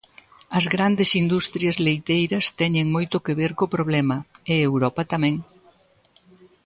As grandes industrias leiteiras teñen moito que ver co problema, e Europa tamén.